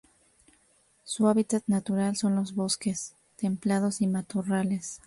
Su hábitat natural son los bosques templados y matorrales.